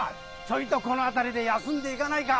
ちょいとこの辺りで休んでいかないか！